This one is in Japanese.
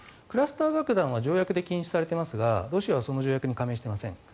クラスター爆弾は条約で禁止されていますがロシアはその条約には加盟していません。